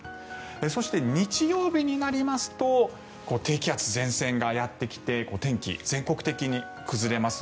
そして、日曜日になりますと低気圧、前線がやってきて天気、全国的に崩れます。